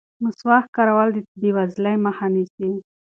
مسواک کارول د بې وزلۍ مخه نیسي.